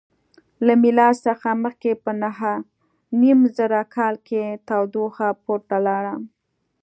له میلاد څخه مخکې په نهه نیم زره کال کې تودوخه پورته لاړه.